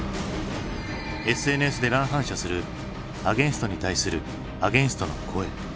ＳＮＳで乱反射するアゲインストに対するアゲインストの声。